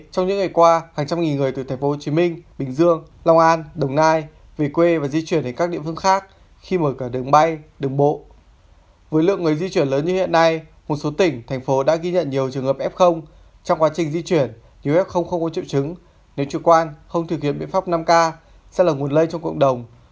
trong quá trình di chuyển nếu f không có triệu chứng nếu chủ quan không thực hiện biện pháp năm k sẽ là nguồn lây trong cộng đồng